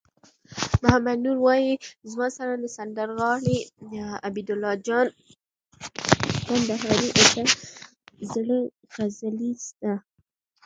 محمد نور وایی: زما سره د سندرغاړی عبیدالله جان کندهاری اته زره غزلي سته